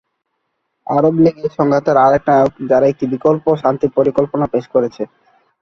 আরব League এই সংঘাতের আরেক নায়ক যারা একটি বিকল্প শান্তি পরিকল্পনা পেশ করেছে।